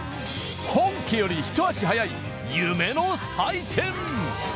本家よりひと足早い夢の祭典。